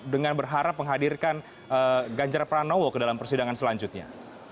dengan berharap menghadirkan ganjar pranowo ke dalam persidangan selanjutnya